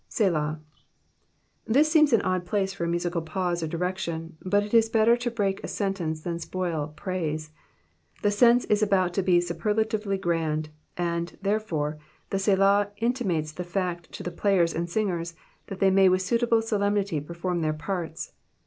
" Selah." This seems an odd place for a musical pause or direction, but it is better to break a sentence than spoil praise. The sense is about to be super latively grand, and, therefore, the selah intimates the fact to the players and singers, that they may with suitable solemnity perform their parts.